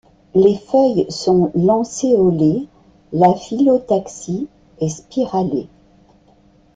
Les feuilles sont lancéolées, la phyllotaxie est spiralée.